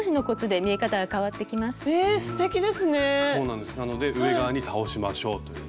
なので上側に倒しましょうという。